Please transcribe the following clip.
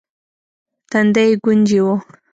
تندی يې ګونجې و.